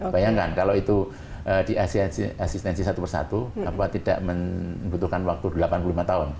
bayangkan kalau itu di asistensi satu persatu tidak membutuhkan waktu delapan puluh lima tahun